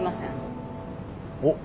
おっ？